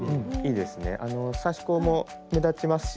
あの刺し子も目立ちますしね。